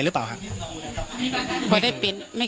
ปกติพี่สาวเราเนี่ยครับเปล่าครับเปล่าครับเปล่าครับ